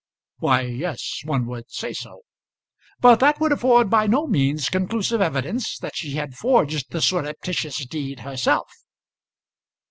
"Why, yes; one would say so." "But that would afford by no means conclusive evidence that she had forged the surreptitious deed herself."